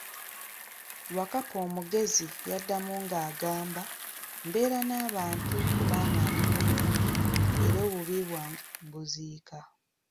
Wakkapa omugezi yaddamu nga agamba, Mbeera na abantu kubanga ndi muyonjo era obubi bwange mbuziika.